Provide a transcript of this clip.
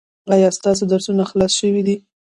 ایا ستاسو درسونه خلاص شوي دي؟